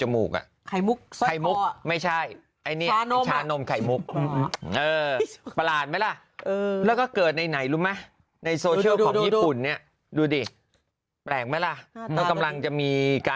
หมายถึงว่าพออากาศชื้นก็จะงิ๊ก